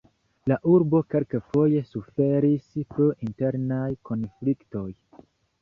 La urbo kelkfoje suferis pro internaj konfliktoj.